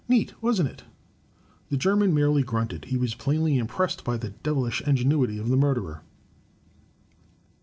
Neat, wasn't it?" The German merely grunted. He was plainly impressed by the devilish ingenuity of the murderer.